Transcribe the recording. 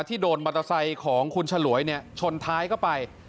ที่โดนมอเตอร์ไซส์ของคุณฉ่ณวยชนท้ายไป